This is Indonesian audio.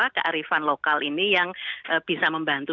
kearifan lokal ini yang bisa membantu